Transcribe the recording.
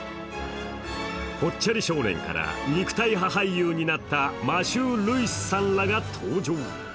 ぽっちゃり少年から肉体派俳優になったマシュー・ルイスさんらが登場。